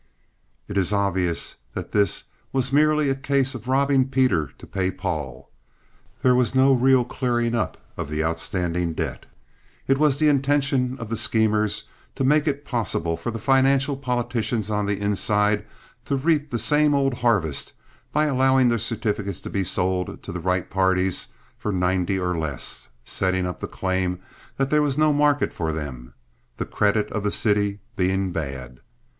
It is obvious that this was merely a case of robbing Peter to pay Paul. There was no real clearing up of the outstanding debt. It was the intention of the schemers to make it possible for the financial politicians on the inside to reap the same old harvest by allowing the certificates to be sold to the right parties for ninety or less, setting up the claim that there was no market for them, the credit of the city being bad.